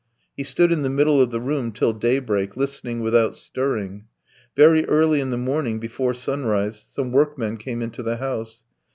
He stood in the middle of the room till daybreak, listening without stirring. Very early in the morning, before sunrise, some workmen came into the house.